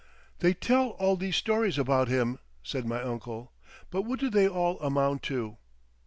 "They tell all these stories about him," said my uncle, "but what do they all amount to?"